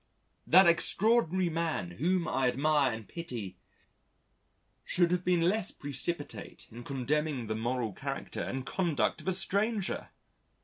"... that extraordinary man whom I admire and pity, should have been less precipitate in condemning the moral character and conduct of a stranger!"